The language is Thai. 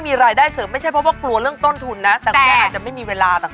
ไม่มีไม่มี